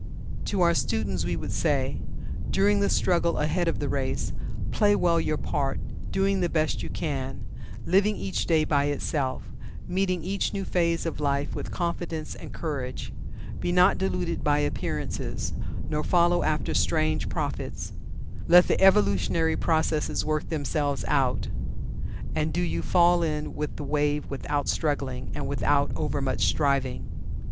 To our students, we would say: During the struggle ahead of the race, play well your part, doing the best you can, living each day by itself, meeting each new phase of life with confidence and courage. Be not deluded by appearances, nor follow after strange prophets. Let the evolutionary processes work themselves out, and do you fall in with the wave without struggling, and without overmuch striving.